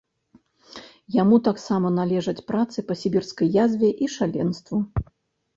Яму таксама належаць працы па сібірскай язве і шаленству.